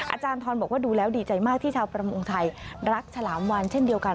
อาจารย์ทรบอกว่าดูแล้วดีใจมากที่ชาวประมงไทยรักฉลามวานเช่นเดียวกัน